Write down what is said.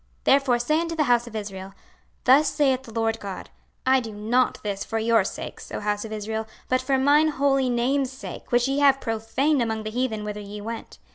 26:036:022 Therefore say unto the house of Israel, thus saith the Lord GOD; I do not this for your sakes, O house of Israel, but for mine holy name's sake, which ye have profaned among the heathen, whither ye went.